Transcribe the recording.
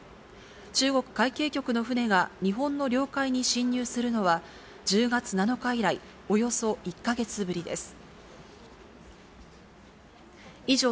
中国海警局の船が日本の領海に侵入するのは、１０月７日以来、およそ１か月ぶりです。